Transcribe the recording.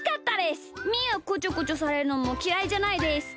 みーはこちょこちょされるのもきらいじゃないです。